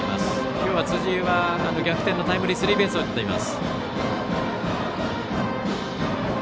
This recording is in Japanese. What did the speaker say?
今日は辻井は逆転のタイムリースリーベースを打っています。